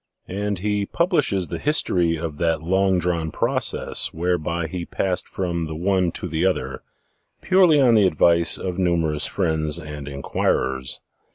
And he publishes the history of that long drawn process whereby he passed from the one to the other, purely on the advice of numer ous friends and inquirers.